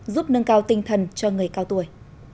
giúp nâng cao tinh thần cho người cao tuổi